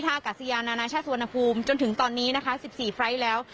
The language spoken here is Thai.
ท่ากาศยานานาชาติสวนภูมิจนถึงตอนนี้นะคะสิบสี่ไฟล์แล้ว